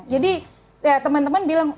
jadi teman teman bilang